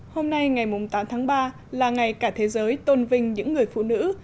hôm nay ngày tám tháng ba là ngày cả thế giới tôn vinh những người phụ nữ